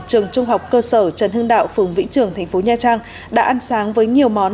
trường trung học cơ sở trần hưng đạo phường vĩnh trường thành phố nha trang đã ăn sáng với nhiều món